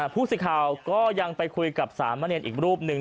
ผู้สิทธิ์ข่าวก็ยังไปคุยกับสามม่ะเรียนอีกรูปหนึ่ง